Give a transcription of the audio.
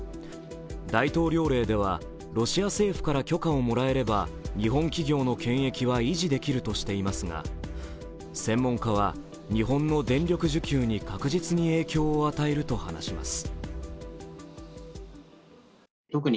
大統領令ではロシア政府から許可をもらえれば日本企業の権益は維持できるとしていますが専門家は、日本の電力需給に確実に影響を与えると話します。